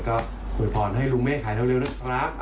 ก็อวยพรให้ลุงเมฆหายเร็วนะครับ